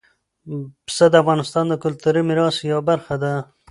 پسه د افغانستان د کلتوري میراث یوه برخه ده.